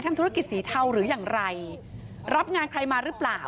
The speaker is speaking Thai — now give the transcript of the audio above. ทำธุรกิจสีเทาหรืออย่างไรรับงานใครมาหรือเปล่า